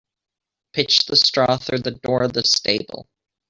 Pitch the straw through the door of the stable.